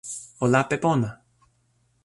o lape pona!